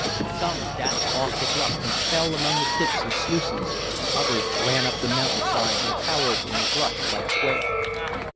Some dashed off the bluff and fell among the pits and sluices. Others ran up the mountain side, and cowered in the brush like quail.